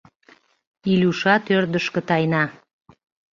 Илюшат ӧрдыжкӧ тайна.